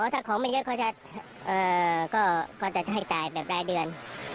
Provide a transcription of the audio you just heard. ถ้าของไม่เยอะก็จะให้จ่ายแบบรายเดือน